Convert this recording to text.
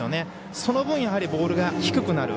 その分、ボールが低くなる。